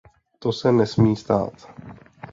To se nesmí stát!